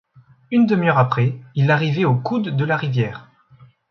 Une demi-heure après, ils arrivaient au coude de la rivière